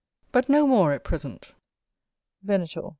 But no more at present. Venator.